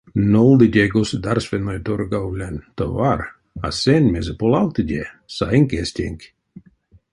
Нолдыде государственной торговлянь товар, а сень, мезе полавтыде, саинк эстенк.